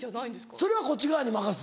それはこっち側に任す。